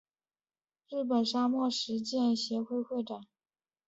日本沙漠实践协会会长。